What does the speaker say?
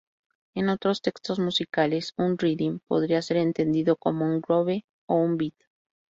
En otros contextos musicales, un "riddim" podría ser entendido como un "groove" o "beat".